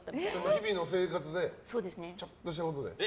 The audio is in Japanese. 日々の生活でちょっとしたことで？